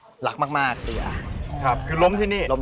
ชื่องนี้ชื่องนี้ชื่องนี้ชื่องนี้ชื่องนี้